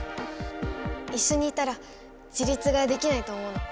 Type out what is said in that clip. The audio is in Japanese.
いっしょにいたら自立ができないと思うの。